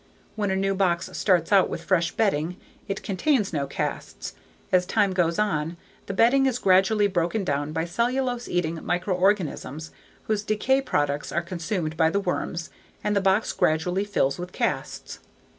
When a new box starts out with fresh bedding it contains no casts. As time goes on, the bedding is gradually broken down by cellulose eating microorganisms whose decay products are consumed by the worms and the box gradually fills with casts.